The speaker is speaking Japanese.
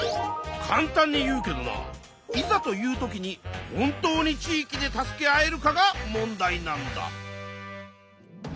かん単に言うけどないざという時に本当に地域で助け合えるかが問題なんだ。